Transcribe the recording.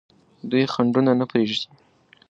دوی خنډونه نه پرېږدي.